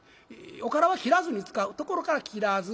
おからは切らずに使うところから「きらず」。